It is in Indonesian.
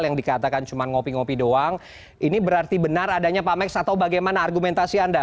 yang dikatakan cuma ngopi ngopi doang ini berarti benar adanya pak max atau bagaimana argumentasi anda